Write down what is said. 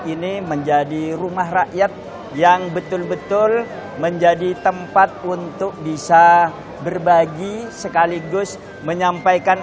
ini menjadi rumah rakyat yang betul betul menjadi tempat untuk bisa berbagi sekaligus menyampaikan